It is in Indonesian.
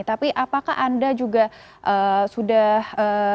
tapi apakah anda juga sudah